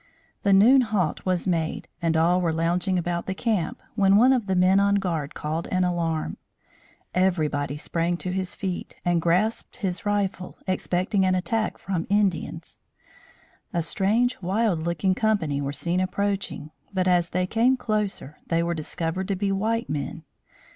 The noon halt was made and all were lounging about the camp, when one of the men on guard called an alarm. Everybody sprang to his feet and grasped his rifle, expecting an attack from Indians. A strange wild looking company were seen approaching, but, as they came closer, they were discovered to be white men.